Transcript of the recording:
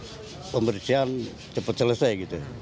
jadi pemberhentian cepat selesai